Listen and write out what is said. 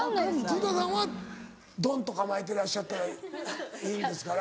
鶴田さんはどんと構えてらっしゃったらいいんですから。